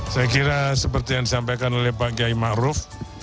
saya kira seperti yang disampaikan oleh pak giai ma'ruf